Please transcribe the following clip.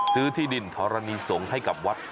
ซื้อที่ดินทรณีส่งให้กับวัด